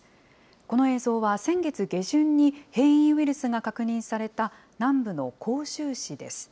この映像は先月下旬に変異ウイルスが確認された南部の広州市です。